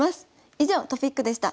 以上トピックでした。